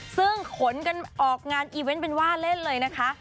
ซึ่งขนกันออกงานอีเวนต์เป็นว่าเล่นเลยนะคะ